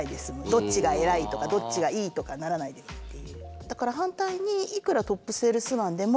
どっちが偉いとかどっちがいいとかならないでいいっていう。